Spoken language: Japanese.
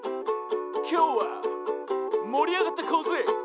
「きょうはもりあがっていこうぜ！」